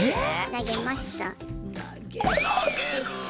投げました。